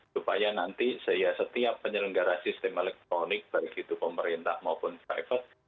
supaya nanti setiap penyelenggara sistem elektronik baik itu pemerintah maupun private